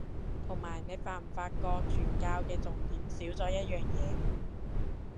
同埋你發唔發覺傳教嘅重點少咗一樣嘢